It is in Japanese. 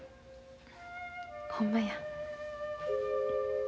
ほんまや。